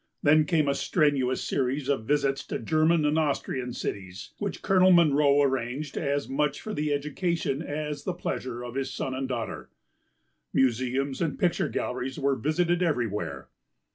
Then came a strenuous series of visits to German and Austrian cities, which Colonel Munro arranged as much for the education as the pleasure of his son and daughter. Museums and picture galleries were visited everywhere.